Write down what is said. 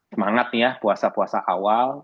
semangat ya puasa puasa awal